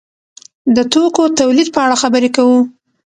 د توکو تولید په اړه خبرې کوو.